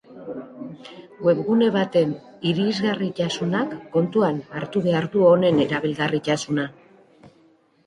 Webgune baten irisgarritasunak kontuan hartu behar du honen erabilgarritasuna.